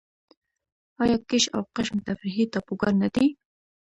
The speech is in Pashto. آیا کیش او قشم تفریحي ټاپوګان نه دي؟